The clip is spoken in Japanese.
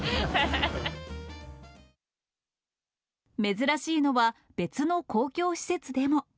珍しいのは別の公共施設でも。